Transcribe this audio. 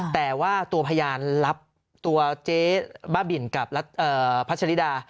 แต่ว่าตัวพยานรับตัวเจ๊บ้าบินกับพัชริดา